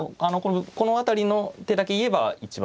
この辺りの手だけ言えば一番理想ですね。